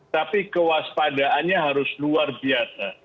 tapi kewaspadaannya harus luar biasa